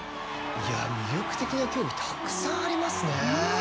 魅力的な競技がたくさんありますね。